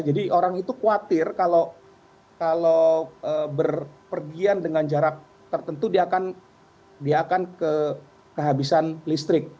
jadi orang itu khawatir kalau berpergian dengan jarak tertentu dia akan kehabisan listrik